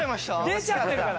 出ちゃってるから。